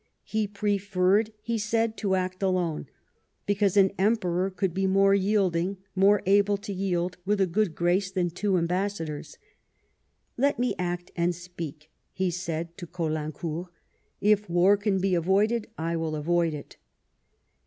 He preferred, he said, to act alone, be cause an Emperor could be more yielding, more able to yield with a good grace, than two ambassadors. " Let me act and speak," he said to Caulaincourt, " if war can be avoided, I will avoid it."